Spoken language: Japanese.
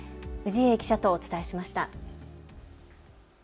氏家記者とお伝えしました。